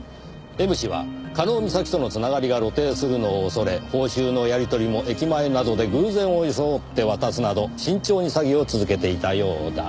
「Ｍ氏は加納美咲とのつながりが露呈するのを恐れ報酬のやり取りも駅前などで偶然を装って渡すなど慎重に詐欺を続けていたようだ」